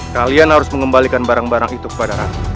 kalian harus mengembalikan barang barang itu kepada ratu